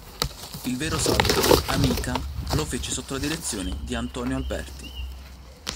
Il vero "salto" "Amica" lo fece sotto la direzione di Antonio Alberti.